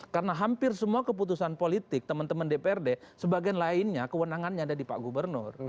karena hampir semua keputusan politik teman teman dprd sebagian lainnya kewenangannya ada di pak gubernur